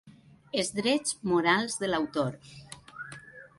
Els drets morals de l'autor.